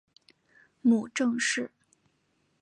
母郑氏。